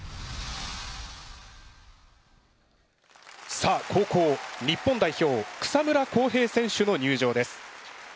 さあ後攻日本代表草村航平選手の入場です。